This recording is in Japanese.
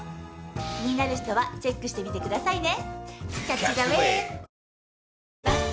気になる人はチェックしてみてくださいね！